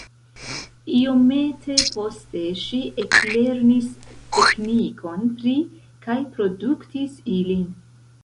Iomete poste ŝi eklernis teknikon pri kaj produktis ilin.